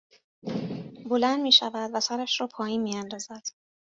بلند میشود و سرش را پایین میاندازد